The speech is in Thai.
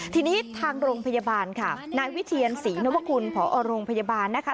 ทีนี้ทางโรงพยาบาลค่ะนายวิเทียนศรีนวคุณผอโรงพยาบาลนะคะ